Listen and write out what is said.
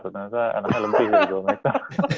tanpa nanti lebih ya dua meter